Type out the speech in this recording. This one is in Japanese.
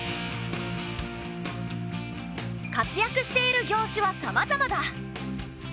活躍している業種はさまざまだ。